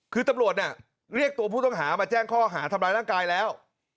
คือตำรวจเรียกตัวผู้ต้องหามาแจ้งข้อหาทำร้ายร่างกายแล้ว